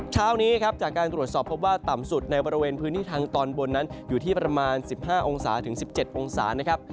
เช้านี้ครับจากการตรวจสอบพบว่าต่ำสุดในบริเวณพื้นที่ทางตอนบนนั้นอยู่ที่ประมาณ๑๕องศาถึง๑๗องศานะครับ